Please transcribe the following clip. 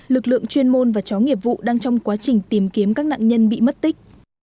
lực lượng chuyên môn và chó nghiệp vụ đang trong quá trình tìm kiếm các nạn nhân bị mất tích